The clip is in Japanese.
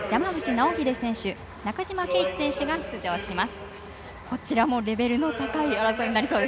東海林大選手、山口尚秀選手中島啓智選手が出場します。